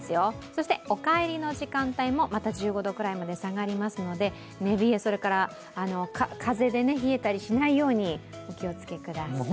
そしてお帰りの時間帯もまた１５度くらいまで下がりますので、寝冷え、それから風で冷えたりしないようにお気をつけください。